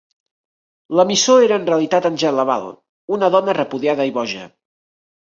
L'emissor era en realitat Angele Laval, una dona repudiada i boja.